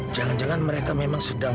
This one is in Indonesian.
jangan jangan mereka memang sedang